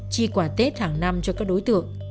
chi quả tết hàng năm cho các đối tượng